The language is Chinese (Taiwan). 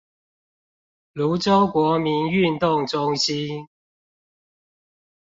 蘆洲國民運動中心